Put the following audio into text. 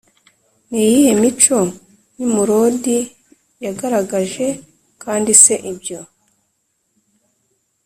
Ni iyihe mico Nimurodi yagaragaje kandi se ibyo